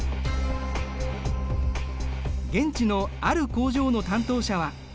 現地のある工場の担当者は。